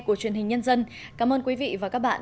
của truyền hình nhân dân cảm ơn quý vị và các bạn